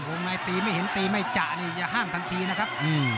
วงในตีไม่เห็นตีไม่จ่ะจะห้างทันทีนะครับ